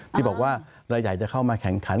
ที่บอกว่ารายใหญ่จะเข้ามาแข่งขัน